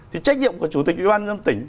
thì trách nhiệm của chủ tịch ủy ban tỉnh